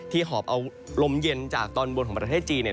หอบเอาลมเย็นจากตอนบนของประเทศจีน